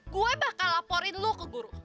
gue bakal laporin lu ke guru